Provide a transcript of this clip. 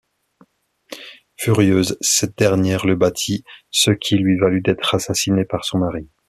Furieuse, cette dernière le battit, ce qui lui valut d'être assassinée par son mari.